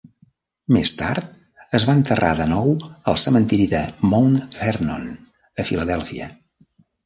Més tard, es va enterrar de nou al cementiri de Mount Vernon a Filadèlfia.